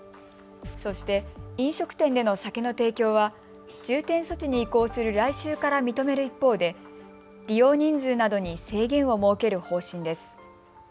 そして飲食店での酒の提供は重点措置に移行する来週から認める一方で利用人数などに制限を設ける方針です。